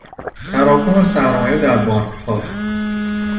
تراکم سرمایه در بانکها